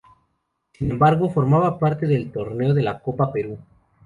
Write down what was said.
Sin embargo, formaba parte del Torneo de la Copa Perú.